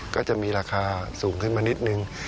ก็จะมีราคาสูงขึ้นมานิดนึง